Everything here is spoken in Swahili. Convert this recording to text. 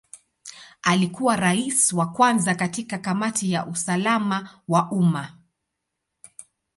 Alikuwa Rais wa kwanza katika Kamati ya usalama wa umma.